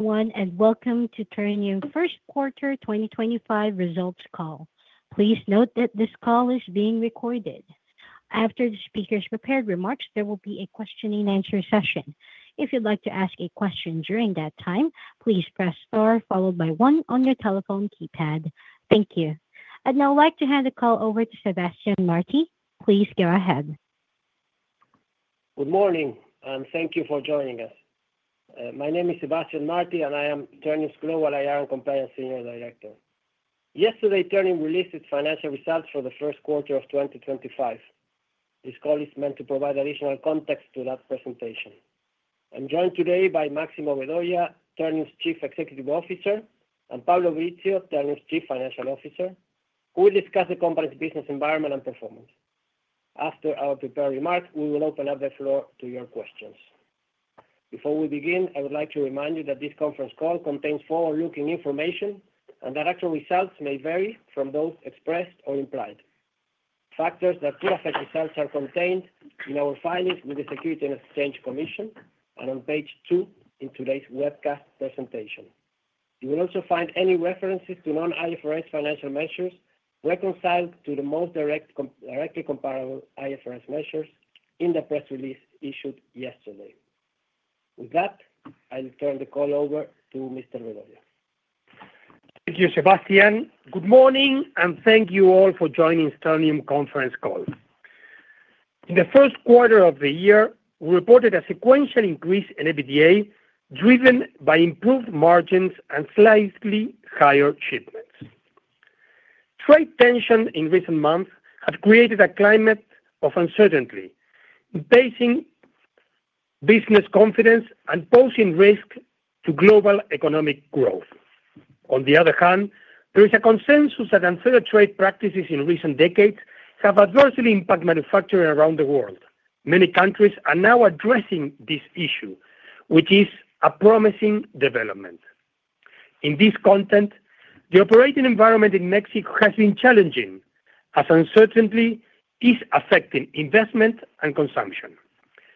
Everyone, and welcome to Ternium First Quarter 2025 results call. Please note that this call is being recorded. After the speaker's prepared remarks, there will be a question-and-answer session. If you'd like to ask a question during that time, please press star followed by one on your telephone keypad. Thank you. I'd now like to hand the call over to Sebastián Martí. Please go ahead. Good morning, and thank you for joining us. My name is Sebastián Martí, and I am Ternium's Global IR and Compliance Senior Director. Yesterday, Ternium released its financial results for the first quarter of 2025. This call is meant to provide additional context to that presentation. I'm joined today by Máximo Vedoya, Ternium's Chief Executive Officer, and Pablo Brizzio, Ternium's Chief Financial Officer, who will discuss the company's business environment and performance. After our prepared remarks, we will open up the floor to your questions. Before we begin, I would like to remind you that this conference call contains forward-looking information and that actual results may vary from those expressed or implied. Factors that could affect results are contained in our filings with the Securities and Exchange Commission and on page two in today's webcast presentation. You will also find any references to non-IFRS financial measures reconciled to the most directly comparable IFRS measures in the press release issued yesterday. With that, I'll turn the call over to Mr. Vedoya. Thank you, Sebastián. Good morning, and thank you all for joining this Ternium conference call. In the first quarter of the year, we reported a sequential increase in EBITDA driven by improved margins and slightly higher shipments. Trade tensions in recent months have created a climate of uncertainty, impacting business confidence and posing risks to global economic growth. On the other hand, there is a consensus that unfair trade practices in recent decades have adversely impacted manufacturing around the world. Many countries are now addressing this issue, which is a promising development. In this context, the operating environment in Mexico has been challenging, as uncertainty is affecting investment and consumption.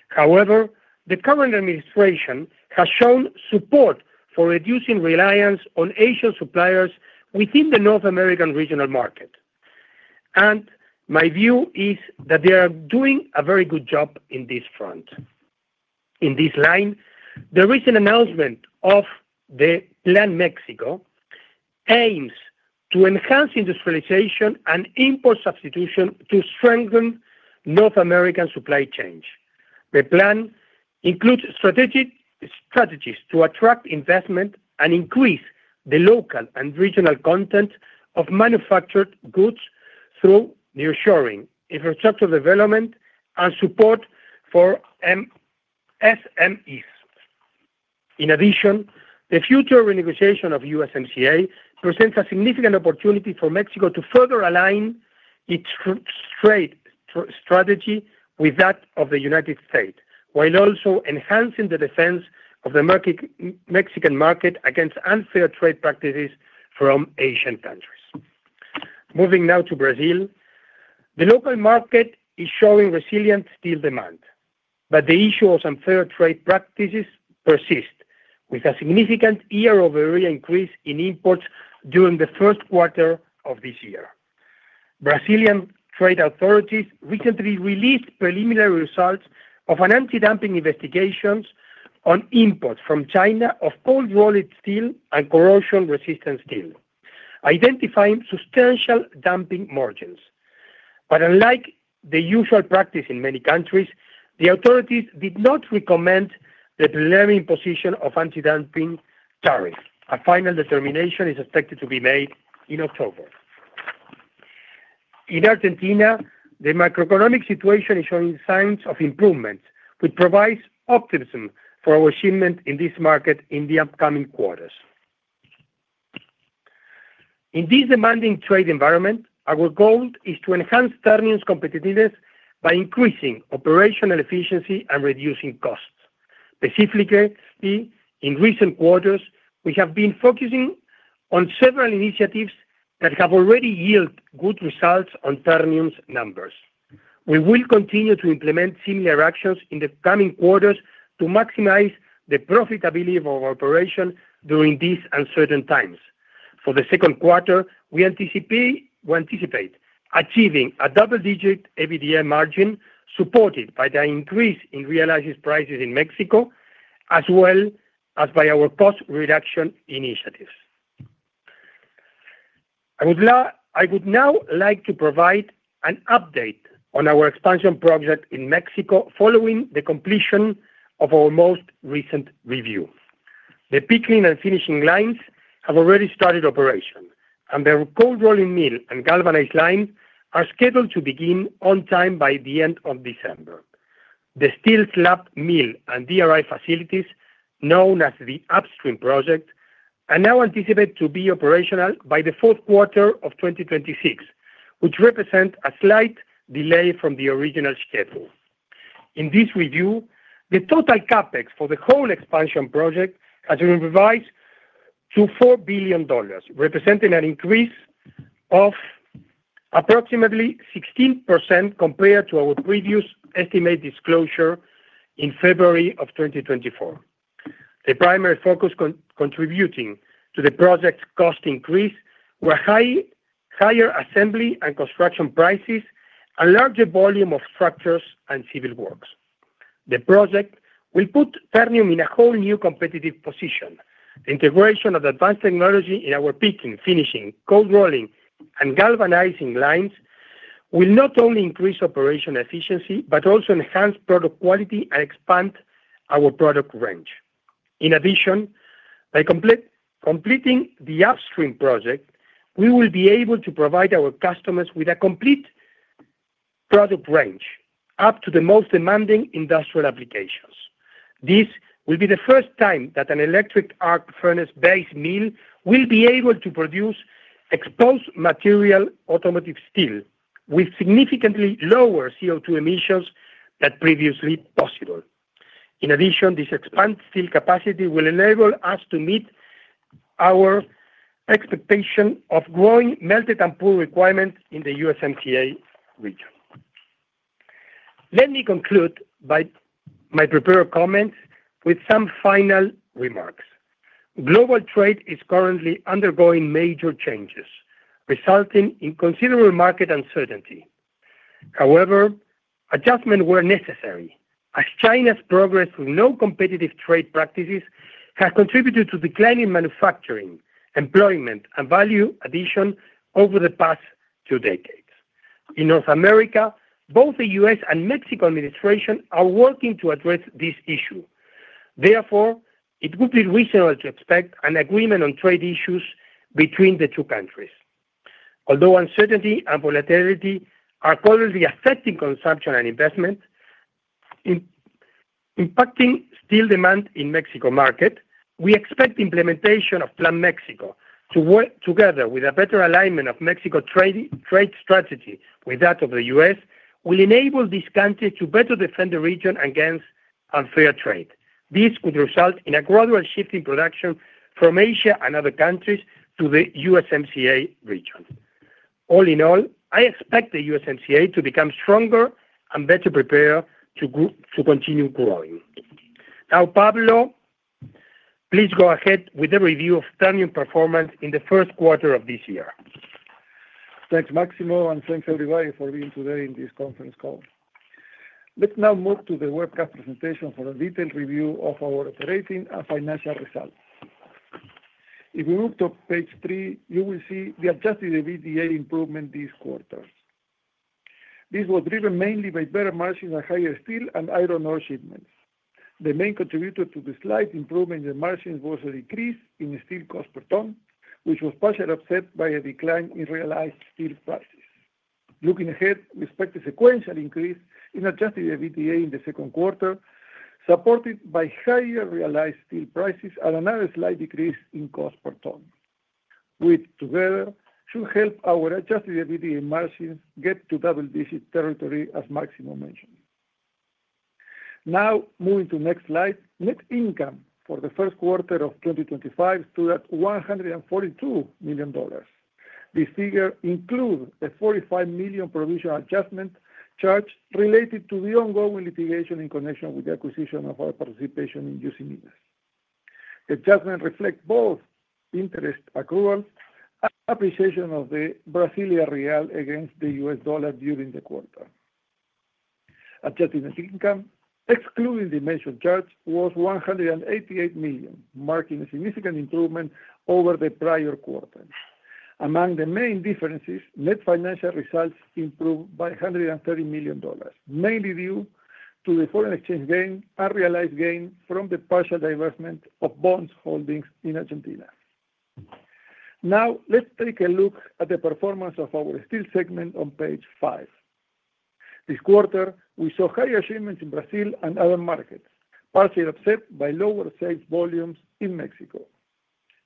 However, the current administration has shown support for reducing reliance on Asian suppliers within the North American regional market, and my view is that they are doing a very good job on this front. In this line, the recent announcement of the Plan México aims to enhance industrialization and import substitution to strengthen North American supply chains. The plan includes strategies to attract investment and increase the local and regional content of manufactured goods through nearshoring, infrastructure development, and support for SMEs. In addition, the future renegotiation of USMCA presents a significant opportunity for Mexico to further align its trade strategy with that of the United States, while also enhancing the defense of the Mexican market against unfair trade practices from Asian countries. Moving now to Brazil, the local market is showing resilient steel demand, but the issue of unfair trade practices persists, with a significant year-over-year increase in imports during the first quarter of this year. Brazilian trade authorities recently released preliminary results of anti-dumping investigations on imports from China of cold-rolled steel and corrosion-resistant steel, identifying substantial dumping margins. Unlike the usual practice in many countries, the authorities did not recommend the preliminary imposition of anti-dumping tariffs. A final determination is expected to be made in October. In Argentina, the macroeconomic situation is showing signs of improvement, which provides optimism for our shipment in this market in the upcoming quarters. In this demanding trade environment, our goal is to enhance Ternium's competitiveness by increasing operational efficiency and reducing costs. Specifically, in recent quarters, we have been focusing on several initiatives that have already yielded good results on Ternium's numbers. We will continue to implement similar actions in the coming quarters to maximize the profitability of our operation during these uncertain times. For the second quarter, we anticipate achieving a double-digit EBITDA margin supported by the increase in realized prices in Mexico, as well as by our cost reduction initiatives. I would now like to provide an update on our expansion project in Mexico following the completion of our most recent review. The pickling and finishing lines have already started operation, and the cold rolling mill and galvanized line are scheduled to begin on time by the end of December. The steel slab mill and DRI facilities, known as the Upstream Project, are now anticipated to be operational by the fourth quarter of 2026, which represents a slight delay from the original schedule. In this review, the total capex for the whole expansion project has been revised to $4 billion, representing an increase of approximately 16% compared to our previous estimated disclosure in February of 2024. The primary focus contributing to the project's cost increase were higher assembly and construction prices and larger volume of structures and civil works. The project will put Ternium in a whole new competitive position. The integration of advanced technology in our pickling, finishing, cold-rolling, and galvanizing lines will not only increase operational efficiency but also enhance product quality and expand our product range. In addition, by completing the Upstream Project, we will be able to provide our customers with a complete product range up to the most demanding industrial applications. This will be the first time that an electric arc furnace-based mill will be able to produce exposed material automotive steel with significantly lower CO2 emissions than previously possible. In addition, this expanded steel capacity will enable us to meet our expectation of growing melted and poured requirements in the USMCA region. Let me conclude my prepared comments with some final remarks. Global trade is currently undergoing major changes, resulting in considerable market uncertainty. However, adjustments were necessary, as China's progress with non-competitive trade practices has contributed to declining manufacturing, employment, and value addition over the past two decades. In North America, both the U.S. and Mexico administrations are working to address this issue. Therefore, it would be reasonable to expect an agreement on trade issues between the two countries. Although uncertainty and volatility are currently affecting consumption and investment, impacting steel demand in the Mexico market, we expect the implementation of Plan Mexico, together with a better alignment of Mexico's trade strategy with that of the U.S., will enable these countries to better defend the region against unfair trade. This could result in a gradual shift in production from Asia and other countries to the USMCA region. All in all, I expect the USMCA to become stronger and better prepared to continue growing. Now, Pablo, please go ahead with the review of Ternium's performance in the first quarter of this year. Thanks, Máximo, and thanks everybody for being today in this conference call. Let's now move to the webcast presentation for a detailed review of our operating and financial results. If we move to page three, you will see the adjusted EBITDA improvement this quarter. This was driven mainly by better margins at higher steel and iron ore shipments. The main contributor to the slight improvement in margins was a decrease in steel cost per ton, which was partially offset by a decline in realized steel prices. Looking ahead, we expect a sequential increase in adjusted EBITDA in the second quarter, supported by higher realized steel prices and another slight decrease in cost per ton, which together should help our adjusted EBITDA margins get to double-digit territory, as Máximo mentioned. Now, moving to the next slide, net income for the first quarter of 2025 stood at $142 million. This figure includes a $45 million provisional adjustment charge related to the ongoing litigation in connection with the acquisition of our participation in Usiminas. The adjustment reflects both interest accruals and appreciation of the Brazilian Real against the U.S. dollar during the quarter. Adjusted net income, excluding the mentioned charge, was $188 million, marking a significant improvement over the prior quarter. Among the main differences, net financial results improved by $130 million, mainly due to the foreign exchange gain and realized gain from the partial divestment of bonds holdings in Argentina. Now, let's take a look at the performance of our steel segment on page five. This quarter, we saw higher shipments in Brazil and other markets, partially offset by lower sales volumes in Mexico.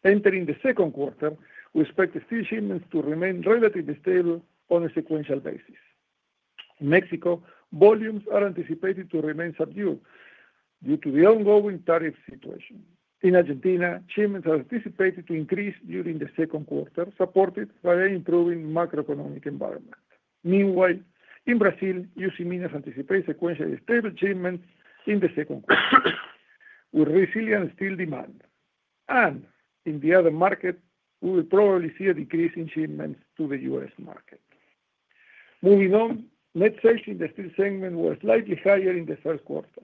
Entering the second quarter, we expect the steel shipments to remain relatively stable on a sequential basis. In Mexico, volumes are anticipated to remain subdued due to the ongoing tariff situation. In Argentina, shipments are anticipated to increase during the second quarter, supported by an improving macroeconomic environment. Meanwhile, in Brazil, Usiminas anticipates sequentially stable shipments in the second quarter, with resilient steel demand. In the other markets, we will probably see a decrease in shipments to the U.S. market. Moving on, net sales in the steel segment were slightly higher in the first quarter.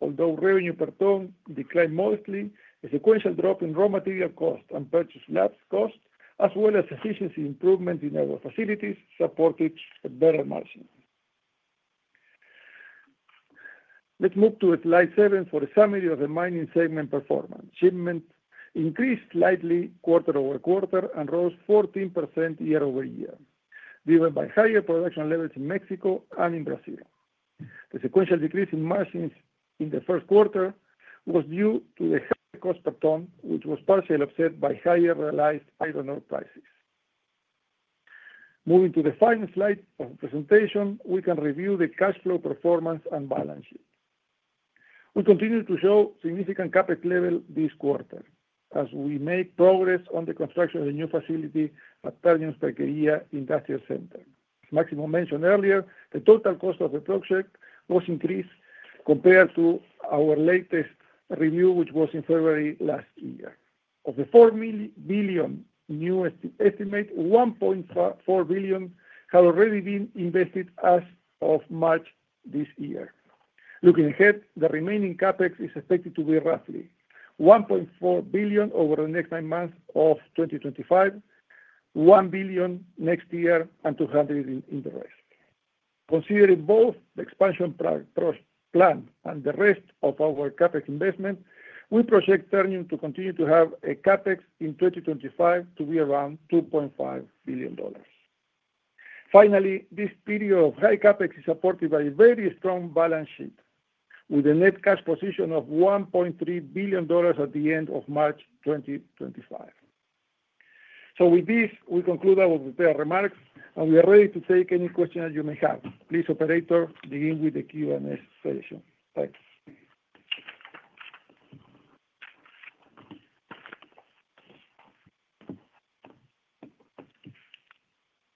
Although revenue per ton declined modestly, a sequential drop in raw material cost and purchased slabs cost, as well as efficiency improvements in our facilities, supported better margins. Let's move to slide seven for a summary of the mining segment performance. Shipments increased slightly quarter over quarter and rose 14% year-over-year, driven by higher production levels in Mexico and in Brazil. The sequential decrease in margins in the first quarter was due to the high cost per ton, which was partially offset by higher realized iron ore prices. Moving to the final slide of the presentation, we can review the cash flow performance and balance sheet. We continue to show significant CapEx level this quarter, as we make progress on the construction of a new facility at Ternium's Pesquería Industrial Center. As Máximo mentioned earlier, the total cost of the project was increased compared to our latest review, which was in February last year. Of the $4 billion new estimate, $1.4 billion had already been invested as of March this year. Looking ahead, the remaining CapEx is expected to be roughly $1.4 billion over the next nine months of 2025, $1 billion next year, and $200 million in the rest. Considering both the expansion plan and the rest of our capex investment, we project Ternium to continue to have a capex in 2025 to be around $2.5 billion. Finally, this period of high capex is supported by a very strong balance sheet, with a net cash position of $1.3 billion at the end of March 2025. With this, we conclude our prepared remarks, and we are ready to take any questions that you may have. Please, operator, begin with the Q&A session. Thanks.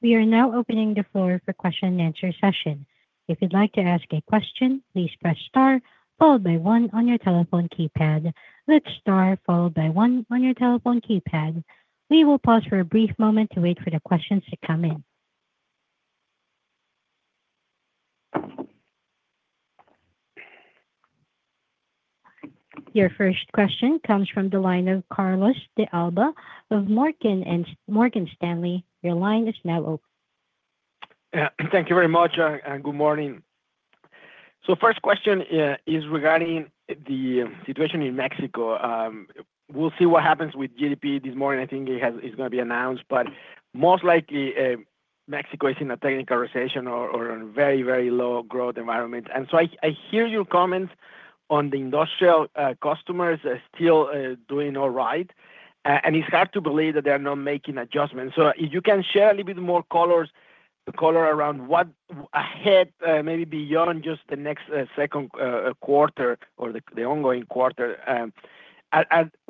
We are now opening the floor for question-and-answer session. If you'd like to ask a question, please press star, followed by one on your telephone keypad. That's star followed by one on your telephone keypad. We will pause for a brief moment to wait for the questions to come in. Your first question comes from Carlos de Alba of Morgan Stanley. Your line is now open. Thank you very much, and good morning. The first question is regarding the situation in Mexico. We'll see what happens with GDP this morning. I think it's going to be announced, but most likely, Mexico is in a technical recession or a very, very low-growth environment. I hear your comments on the industrial customers still doing all right, and it's hard to believe that they are not making adjustments. If you can share a little bit more color around what is ahead, maybe beyond just the next second quarter or the ongoing quarter, and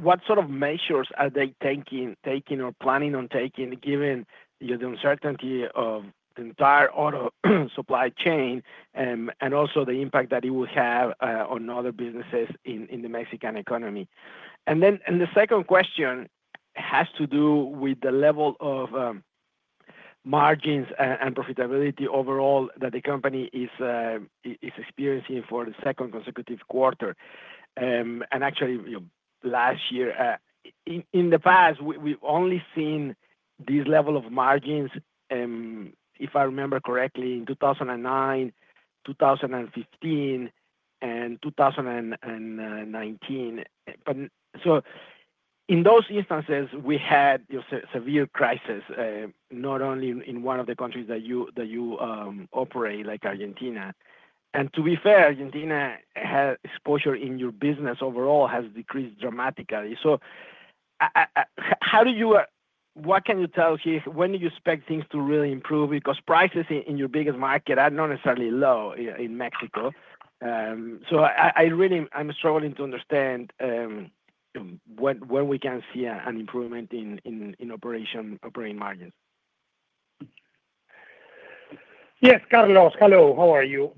what sort of measures are they taking or planning on taking, given the uncertainty of the entire auto supply chain and also the impact that it will have on other businesses in the Mexican economy? The second question has to do with the level of margins and profitability overall that the company is experiencing for the second consecutive quarter, and actually last year. In the past, we've only seen this level of margins, if I remember correctly, in 2009, 2015, and 2019. In those instances, we had a severe crisis, not only in one of the countries that you operate, like Argentina. To be fair, Argentina's exposure in your business overall has decreased dramatically. What can you tell here? When do you expect things to really improve? Because prices in your biggest market are not necessarily low in Mexico. I'm struggling to understand when we can see an improvement in operating margins. Yes, Carlos. Hello. How are you?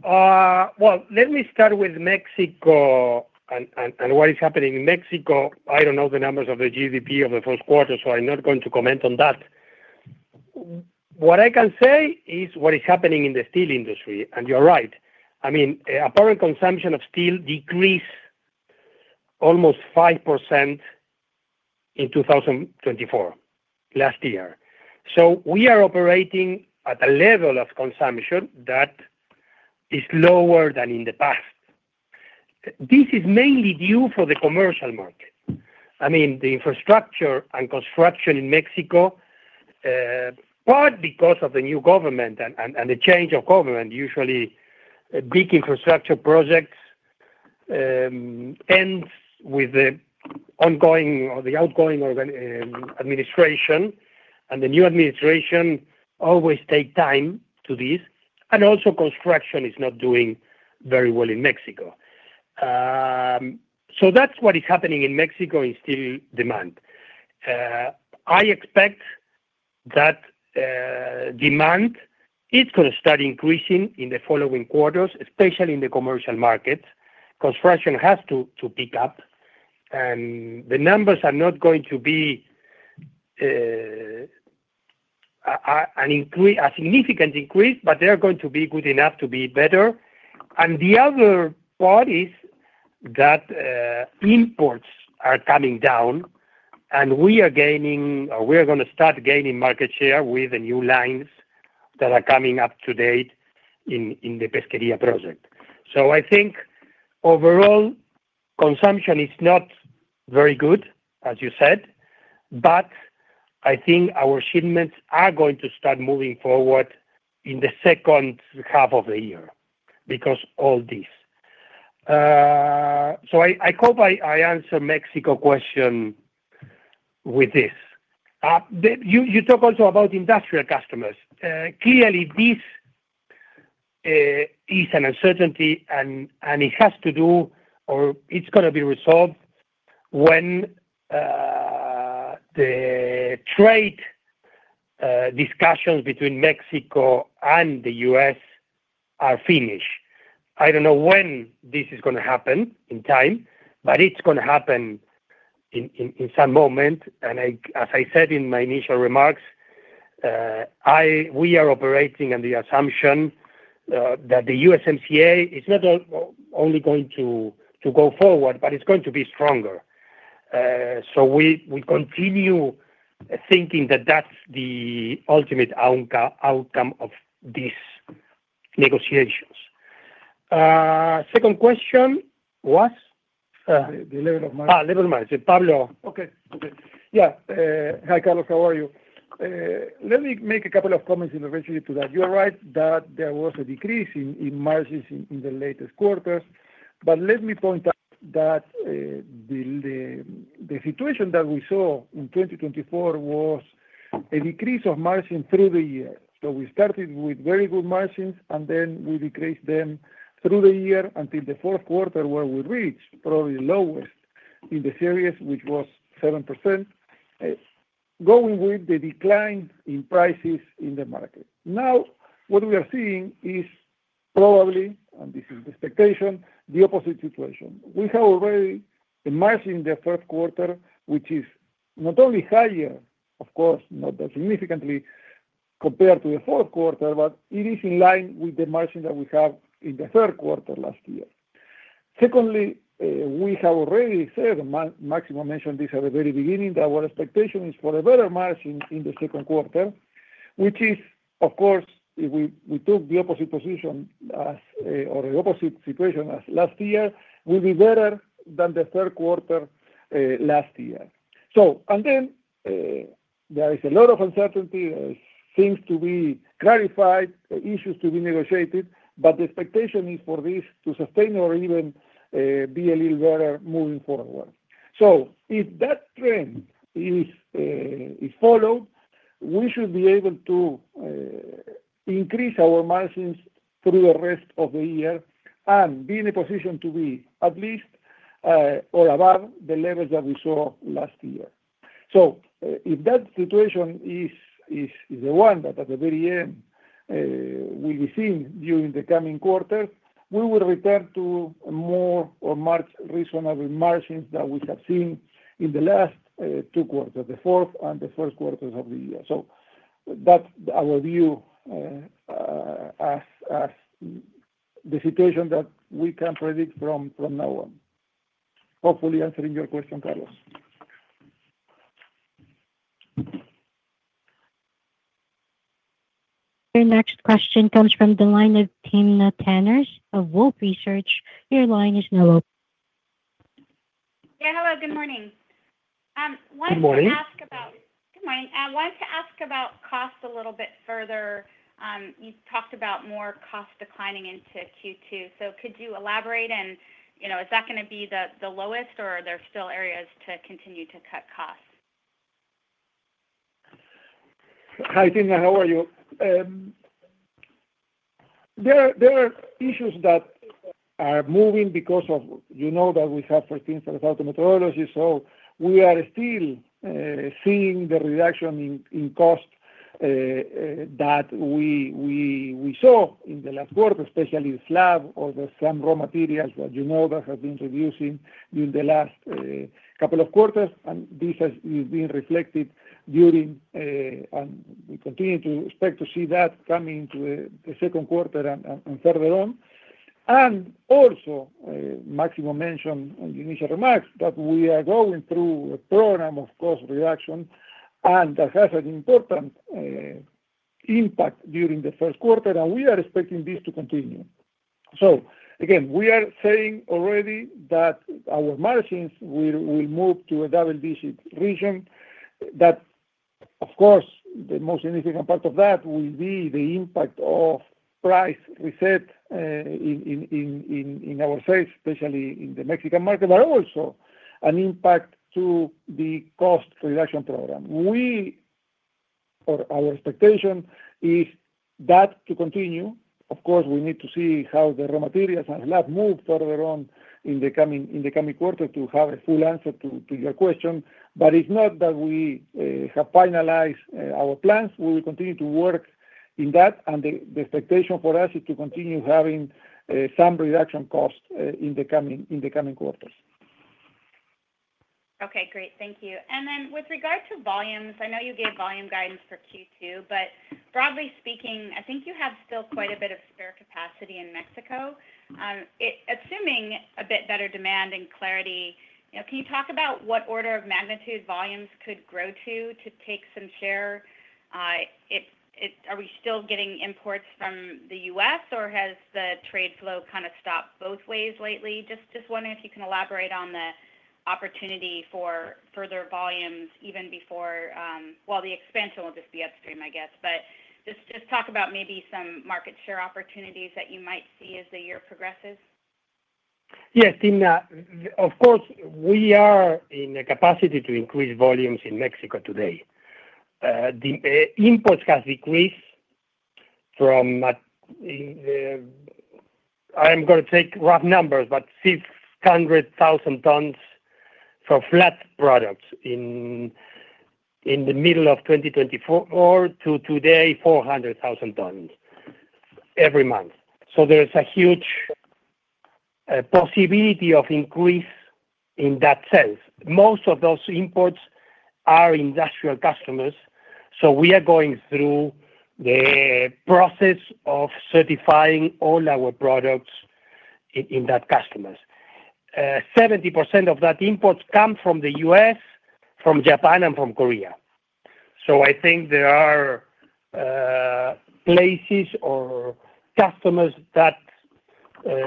Let me start with Mexico and what is happening in Mexico. I do not know the numbers of the GDP of the first quarter, so I am not going to comment on that. What I can say is what is happening in the steel industry, and you are right. I mean, apparent consumption of steel decreased almost 5% in 2024, last year. We are operating at a level of consumption that is lower than in the past. This is mainly due to the commercial market. I mean, the infrastructure and construction in Mexico, partly because of the new government and the change of government, usually big infrastructure projects end with the outgoing administration, and the new administration always takes time to do this. Also, construction is not doing very well in Mexico. That is what is happening in Mexico in steel demand. I expect that demand is going to start increasing in the following quarters, especially in the commercial markets. Construction has to pick up, and the numbers are not going to be a significant increase, but they are going to be good enough to be better. The other part is that imports are coming down, and we are gaining—or we are going to start gaining—market share with the new lines that are coming up to date in the Pesquería project. I think overall, consumption is not very good, as you said, but I think our shipments are going to start moving forward in the second half of the year because of all this. I hope I answered Mexico's question with this. You talk also about industrial customers. Clearly, this is an uncertainty, and it has to do—or it's going to be resolved when the trade discussions between Mexico and the U.S. are finished. I don't know when this is going to happen in time, but it's going to happen in some moment. As I said in my initial remarks, we are operating on the assumption that the USMCA is not only going to go forward, but it's going to be stronger. We continue thinking that that's the ultimate outcome of these negotiations. Second question was? The level of margin. level of margin. Pablo. Okay. Okay. Yeah. Hi, Carlos. How are you? Let me make a couple of comments in relation to that. You're right that there was a decrease in margins in the latest quarters, but let me point out that the situation that we saw in 2024 was a decrease of margin through the year. We started with very good margins, and then we decreased them through the year until the fourth quarter, where we reached probably the lowest in the series, which was 7%, going with the decline in prices in the market. Now, what we are seeing is probably—and this is the expectation—the opposite situation. We have already a margin in the third quarter, which is not only higher, of course, not that significantly, compared to the fourth quarter, but it is in line with the margin that we had in the third quarter last year. Secondly, we have already said, Máximo mentioned this at the very beginning, that our expectation is for a better margin in the second quarter, which is, of course, if we took the opposite position or the opposite situation as last year, will be better than the third quarter last year. There is a lot of uncertainty. There are things to be clarified, issues to be negotiated, but the expectation is for this to sustain or even be a little better moving forward. If that trend is followed, we should be able to increase our margins through the rest of the year and be in a position to be at least or above the levels that we saw last year. If that situation is the one that at the very end will be seen during the coming quarters, we will return to more reasonable margins that we have seen in the last two quarters, the fourth and the first quarters of the year. That is our view as the situation that we can predict from now on. Hopefully, answering your question, Carlos. Your next question comes from Timna of Wolfe Research. Your line is now open. Yeah. Hello. Good morning. Good morning. Good morning. I wanted to ask about cost a little bit further. You talked about more cost declining into Q2. Could you elaborate? Is that going to be the lowest, or are there still areas to continue to cut costs? Hi, Timna. How are you? There are issues that are moving because you know that we have, for instance, auto meteorology. You know that we are still seeing the reduction in cost that we saw in the last quarter, especially the slab or the slab raw materials that you know that have been reducing in the last couple of quarters. This has been reflected during, and we continue to expect to see that coming into the second quarter and further on. Also, Máximo mentioned in the initial remarks that we are going through a program of cost reduction, and that has an important impact during the first quarter, and we are expecting this to continue. Again, we are saying already that our margins will move to a double-digit region, that, of course, the most significant part of that will be the impact of price reset in our state, especially in the Mexican market, but also an impact to the cost reduction program. Our expectation is that to continue. Of course, we need to see how the raw materials and slab move further on in the coming quarter to have a full answer to your question, but it's not that we have finalized our plans. We will continue to work in that, and the expectation for us is to continue having some reduction costs in the coming quarters. Okay. Great. Thank you. With regard to volumes, I know you gave volume guidance for Q2, but broadly speaking, I think you have still quite a bit of spare capacity in Mexico. Assuming a bit better demand and clarity, can you talk about what order of magnitude volumes could grow to take some share? Are we still getting imports from the U.S., or has the trade flow kind of stopped both ways lately? Just wondering if you can elaborate on the opportunity for further volumes even before while the expansion will just be upstream, I guess. Just talk about maybe some market share opportunities that you might see as the year progresses. Yes, Tina. Of course, we are in a capacity to increase volumes in Mexico today. The imports have decreased from—I am going to take rough numbers—but 600,000 tons for flat products in the middle of 2024 to today, 400,000 tons every month. There is a huge possibility of increase in that sense. Most of those imports are industrial customers, so we are going through the process of certifying all our products in that customers. 70% of that imports come from the U.S., from Japan, and from Korea. I think there are places or customers that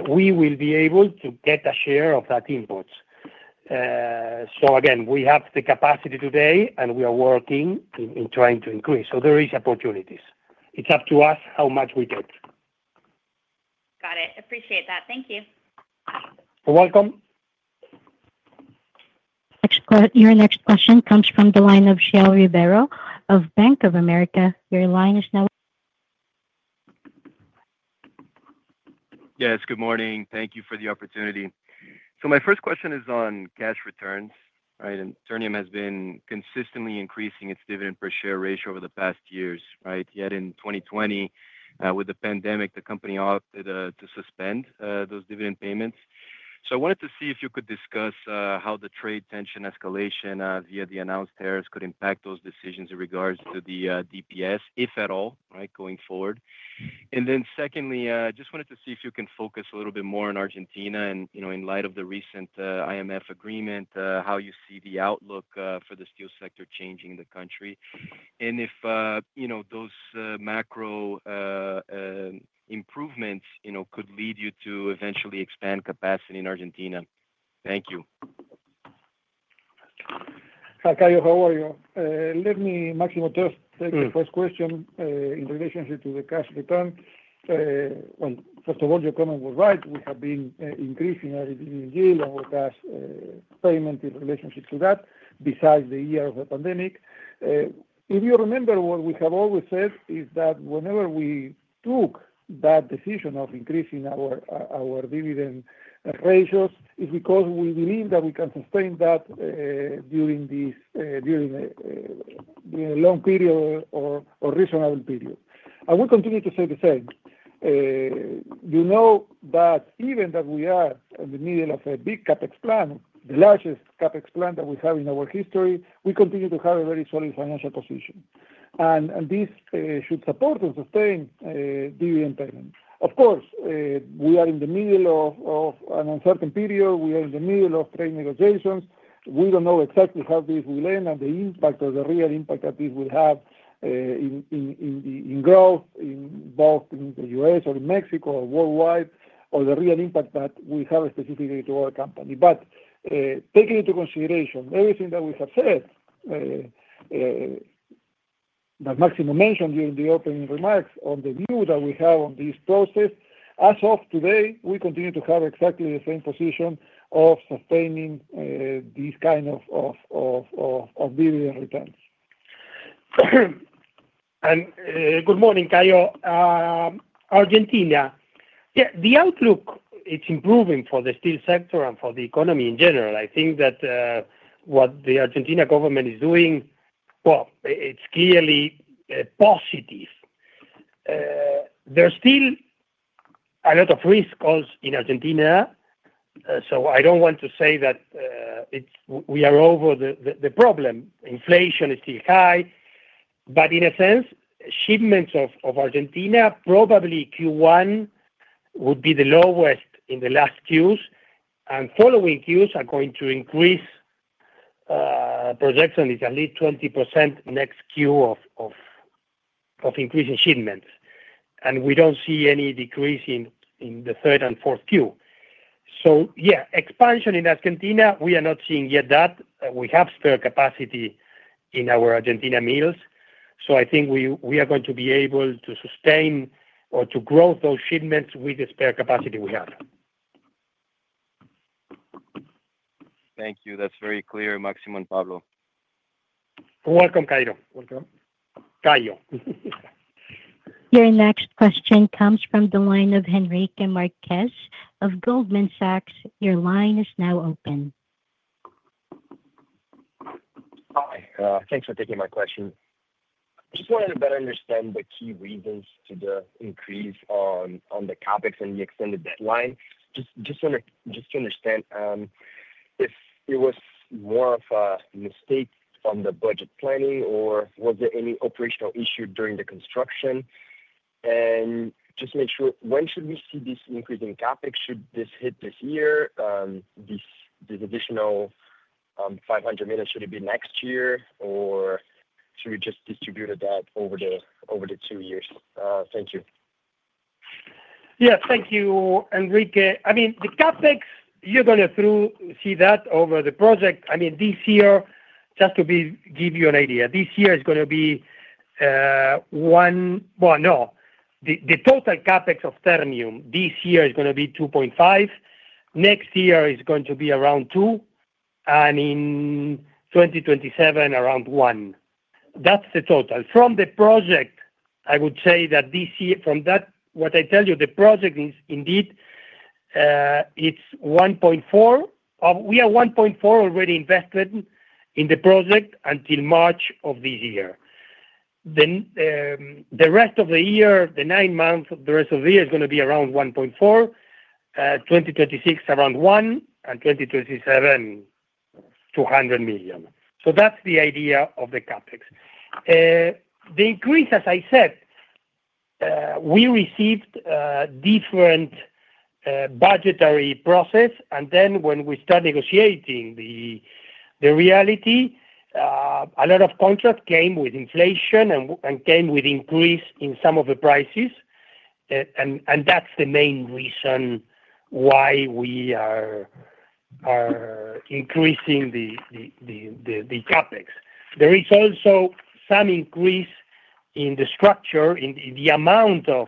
we will be able to get a share of that imports. Again, we have the capacity today, and we are working in trying to increase. There are opportunities. It is up to us how much we take. Got it. Appreciate that. Thank you. You're welcome. Your next question comes from Caio Ribeiro, of Bank of America. Your line is now. Yes. Good morning. Thank you for the opportunity. My first question is on cash returns. Right? Ternium has been consistently increasing its dividend per share ratio over the past years. Right? Yet in 2020, with the pandemic, the company opted to suspend those dividend payments. I wanted to see if you could discuss how the trade tension escalation via the announced tariffs could impact those decisions in regards to the DPS, if at all, going forward. Secondly, I just wanted to see if you can focus a little bit more on Argentina and, in light of the recent IMF agreement, how you see the outlook for the steel sector changing in the country, and if those macro improvements could lead you to eventually expand capacity in Argentina. Thank you. Hi, Carlos. How are you? Let me, Máximo, just take the first question in relation to the cash return. First of all, your comment was right. We have been increasing our dividend yield and our cash payment in relationship to that, besides the year of the pandemic. If you remember, what we have always said is that whenever we took that decision of increasing our dividend ratios, it is because we believe that we can sustain that during a long period or reasonable period. We continue to say the same. You know that even though we are in the middle of a big CapEx plan, the largest CapEx plan that we have in our history, we continue to have a very solid financial position. This should support and sustain dividend payment. Of course, we are in the middle of an uncertain period. We are in the middle of trade negotiations. We do not know exactly how this will end and the impact or the real impact that this will have in growth, both in the U.S. or in Mexico or worldwide, or the real impact that we have specifically to our company. Taking into consideration everything that we have said, that Máximo mentioned during the opening remarks on the view that we have on this process, as of today, we continue to have exactly the same position of sustaining this kind of dividend returns. Good morning, Carlos. Argentina. Yeah. The outlook, it is improving for the steel sector and for the economy in general. I think that what the Argentina government is doing, well, it is clearly positive. There is still a lot of risk, of course, in Argentina. I do not want to say that we are over the problem. Inflation is still high. In a sense, shipments of Argentina, probably Q1, would be the lowest in the last Qs. Following Qs are going to increase, projection is at least 20% next Q of increasing shipments. We do not see any decrease in the third and fourth Q. Expansion in Argentina, we are not seeing yet that. We have spare capacity in our Argentina mills. I think we are going to be able to sustain or to grow those shipments with the spare capacity we have. Thank you. That's very clear, Máximo and Pablo. You're welcome, Carlos. Welcome. Carlos. Your next question comes from Henrique Marques of Goldman Sachs. Your line is now open. Hi. Thanks for taking my question. Just wanted to better understand the key reasons to the increase on the CapEx and the extended deadline. Just to understand if it was more of a mistake on the budget planning, or was there any operational issue during the construction? Just make sure, when should we see this increase in CapEx? Should this hit this year? This additional $500 million, should it be next year, or should we just distribute that over the two years? Thank you. Yes. Thank you, Henrique. I mean, the capex, you're going to see that over the project. I mean, this year, just to give you an idea, this year is going to be one, no. The total capex of Ternium this year is going to be $2.5 billion. Next year is going to be around $2 billion. In 2027, around $1 billion. That's the total. From the project, I would say that this year, from what I tell you, the project is indeed, it's $1.4 billion. We are $1.4 billion already invested in the project until March of this year. The rest of the year, the nine months, the rest of the year is going to be around $1.4 billion. 2026, around $1 billion. In 2027, $200 million. That's the idea of the capex. The increase, as I said, we received different budgetary process. When we start negotiating, the reality, a lot of contracts came with inflation and came with increase in some of the prices. That is the main reason why we are increasing the CapEx. There is also some increase in the structure, in the amount of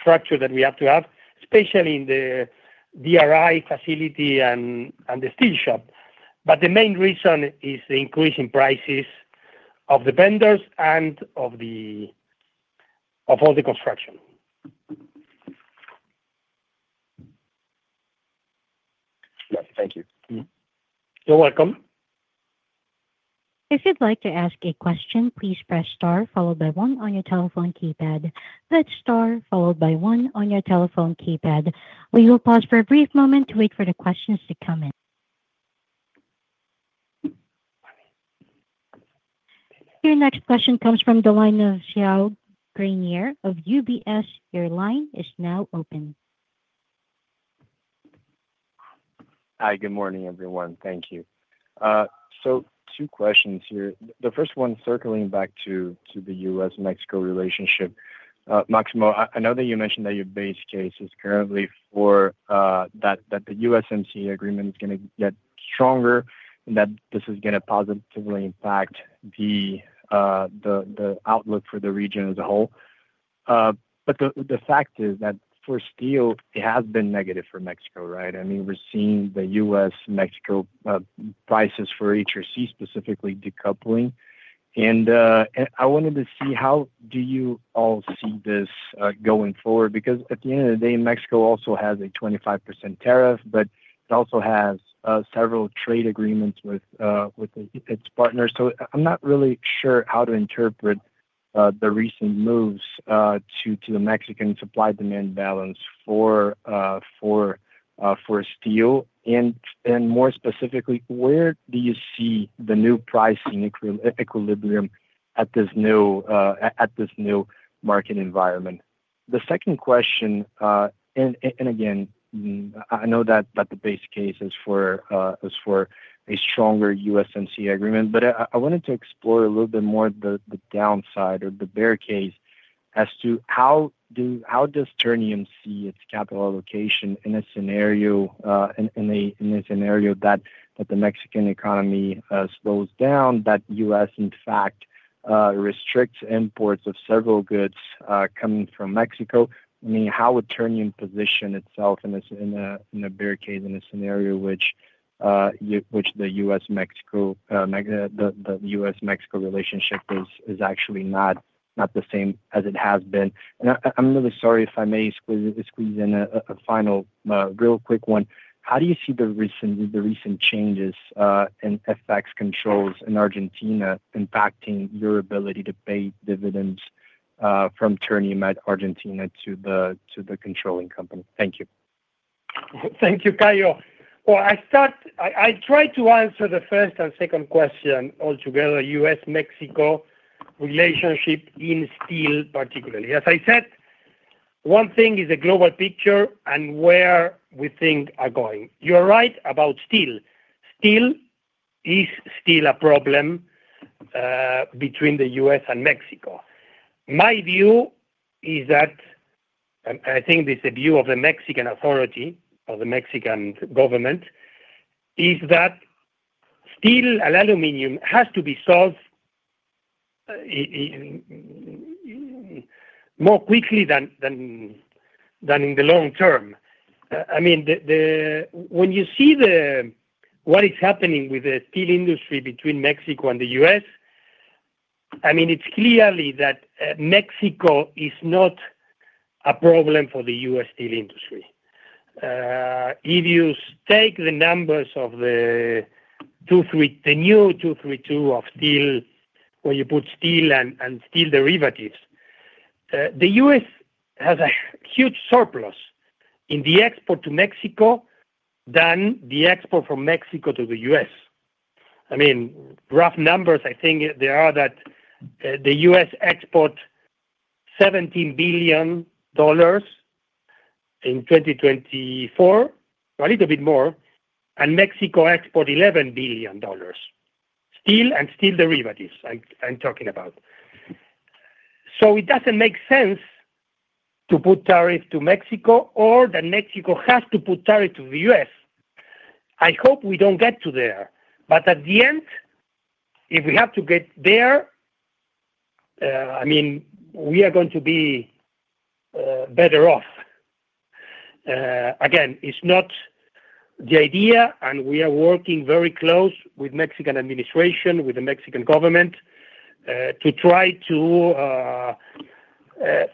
structure that we have to have, especially in the DRI facility and the steel shop. The main reason is the increase in prices of the vendors and of all the construction. Yes. Thank you. You're welcome. If you'd like to ask a question, please press star followed by one on your telephone keypad. That's star followed by one on your telephone keypad. We will pause for a brief moment to wait for the questions to come in. Your next question comes from Robin Zhao, of UBS. Your line is now open. Hi. Good morning, everyone. Thank you. Two questions here. The first one, circling back to the US-Mexico relationship. Máximo, I know that you mentioned that your base case is currently for that the USMCA agreement is going to get stronger and that this is going to positively impact the outlook for the region as a whole. The fact is that for steel, it has been negative for Mexico, right? I mean, we're seeing the US-Mexico prices for HRC specifically decoupling. I wanted to see how do you all see this going forward? At the end of the day, Mexico also has a 25% tariff, but it also has several trade agreements with its partners. I'm not really sure how to interpret the recent moves to the Mexican supply-demand balance for steel. More specifically, where do you see the new pricing equilibrium at this new market environment? The second question, and again, I know that the base case is for a stronger USMCA agreement, but I wanted to explore a little bit more the downside or the better case as to how does Ternium see its capital allocation in a scenario that the Mexican economy slows down, that the U.S. in fact restricts imports of several goods coming from Mexico? I mean, how would Ternium position itself in a better case in a scenario in which the U.S.-Mexico relationship is actually not the same as it has been? I am really sorry if I may squeeze in a final real quick one. How do you see the recent changes in FX controls in Argentina impacting your ability to pay dividends from Ternium at Argentina to the controlling company? Thank you. Thank you, Carlos. I tried to answer the first and second question altogether, US-Mexico relationship in steel particularly. As I said, one thing is the global picture and where we think are going. You're right about steel. Steel is still a problem between the US and Mexico. My view is that, and I think this is the view of the Mexican authority or the Mexican government, is that steel and aluminum has to be solved more quickly than in the long term. I mean, when you see what is happening with the steel industry between Mexico and the US, I mean, it's clearly that Mexico is not a problem for the US steel industry. If you take the numbers of the new 232 of steel, where you put steel and steel derivatives, the U.S. has a huge surplus in the export to Mexico than the export from Mexico to the U.S. I mean, rough numbers, I think there are that the U.S. export $17 billion in 2024, a little bit more, and Mexico export $11 billion, steel and steel derivatives I'm talking about. It does not make sense to put tariffs to Mexico or that Mexico has to put tariffs to the U.S. I hope we do not get to there. If we have to get there, I mean, we are going to be better off. Again, it is not the idea, and we are working very close with the Mexican administration, with the Mexican government, to try to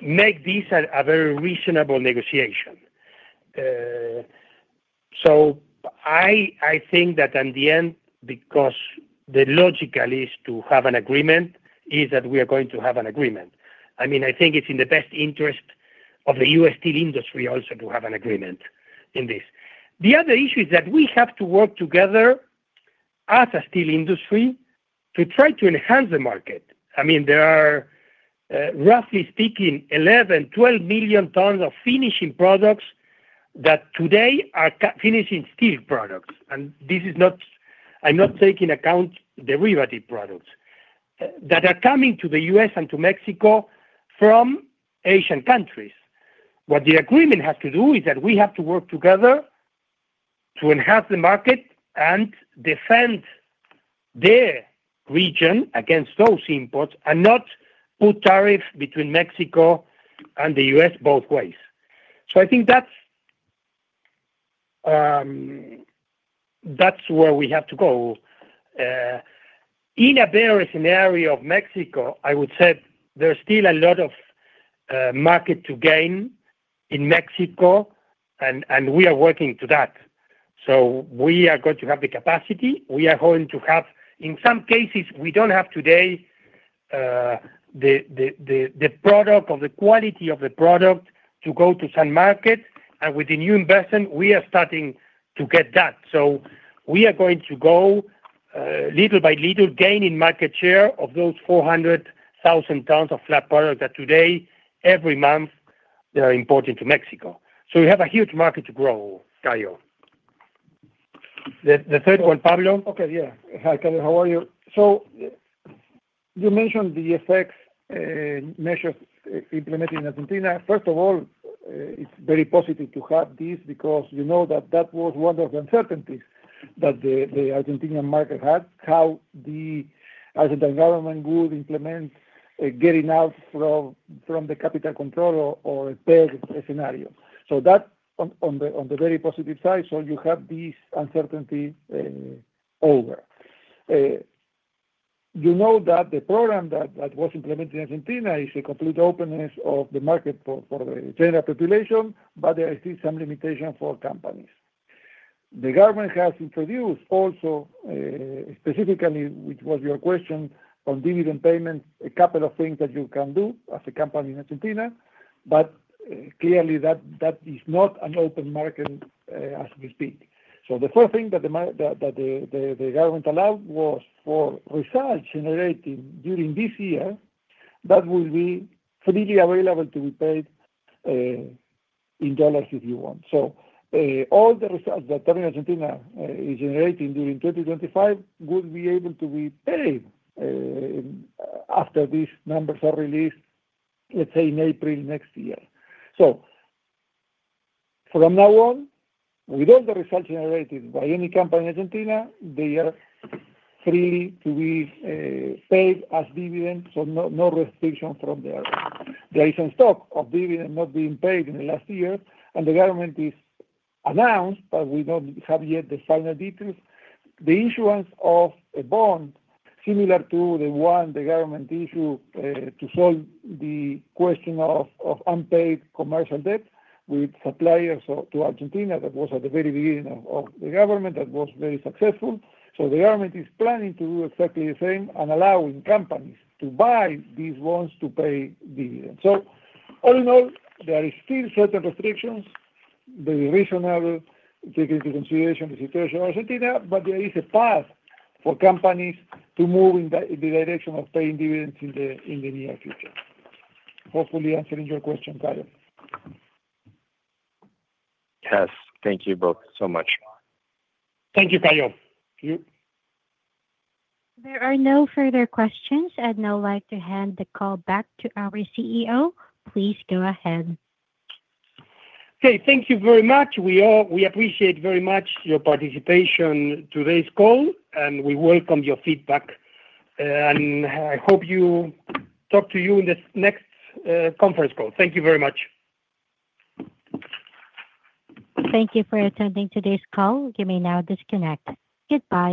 make this a very reasonable negotiation. I think that in the end, because the logical is to have an agreement, we are going to have an agreement. I mean, I think it's in the best interest of the U.S. steel industry also to have an agreement in this. The other issue is that we have to work together as a steel industry to try to enhance the market. I mean, there are, roughly speaking, 11-12 million tons of finishing products that today are finishing steel products. This is not, I'm not taking account derivative products that are coming to the U.S. and to Mexico from Asian countries. What the agreement has to do is that we have to work together to enhance the market and defend the region against those imports and not put tariffs between Mexico and the U.S. both ways. I think that's where we have to go. In a better scenario of Mexico, I would say there's still a lot of market to gain in Mexico, and we are working to that. We are going to have the capacity. We are going to have, in some cases, we don't have today the product or the quality of the product to go to some market. With the new investment, we are starting to get that. We are going to go little by little, gaining market share of those 400,000 tons of flat product that today, every month, they are importing to Mexico. We have a huge market to grow, Carlos. The third one, Pablo. Okay. Yeah. Hi, Carlos. How are you? You mentioned the FX measures implemented in Argentina. First of all, it's very positive to have this because you know that that was one of the uncertainties that the Argentinian market had, how the Argentine government would implement getting out from the capital control or a bad scenario. That is on the very positive side. You have this uncertainty over. You know that the program that was implemented in Argentina is a complete openness of the market for the general population, but there are still some limitations for companies. The government has introduced also, specifically, which was your question on dividend payments, a couple of things that you can do as a company in Argentina. Clearly, that is not an open market as we speak. The first thing that the government allowed was for results generated during this year that will be freely available to be paid in dollars if you want. All the results that Ternium Argentina is generating during 2025 would be able to be paid after these numbers are released, let's say, in April next year. From now on, with all the results generated by any company in Argentina, they are free to be paid as dividends, so no restriction from there. There is a stock of dividends not being paid in the last year, and the government has announced, but we do not have yet the final details, the issuance of a bond similar to the one the government issued to solve the question of unpaid commercial debt with suppliers to Argentina that was at the very beginning of the government that was very successful. The government is planning to do exactly the same and allowing companies to buy these bonds to pay dividends. All in all, there are still certain restrictions that are reasonable taking into consideration the situation of Argentina, but there is a path for companies to move in the direction of paying dividends in the near future. Hopefully, answering your question, Carlos. Yes. Thank you both so much. Thank you, Carlos. There are no further questions. I'd now would like to hand the call back to our CEO. Please go ahead. Okay. Thank you very much. We appreciate very much your participation in today's call, and we welcome your feedback. I hope to talk to you in the next conference call. Thank you very much. Thank you for attending today's call. You may now disconnect. Goodbye.